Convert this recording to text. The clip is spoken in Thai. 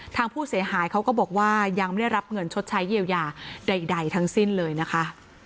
ทางผู้เสียหายเขาก็บอกว่ายังไม่ได้รับเงินชดใช้เยียวยาใดทั้งสิ้นเลยนะคะ